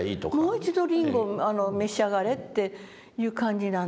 もう一度りんごを召し上がれっていう感じなんですね。